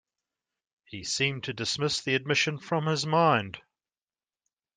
He seemed to dismiss the admission from his mind.